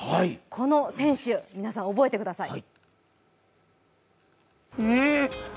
この選手、皆さん覚えてください。